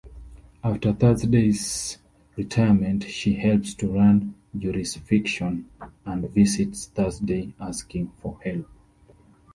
After Thursday's retirement she helps to run JurisFiction and visits Thursday asking for help.